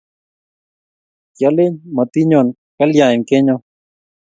kyalechi, matinyo kalyain kenyo?